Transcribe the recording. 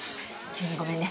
急にごめんね。